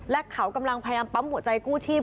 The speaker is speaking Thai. และเขากำลังพยายามปั๊มหัวใจกู้ชีพ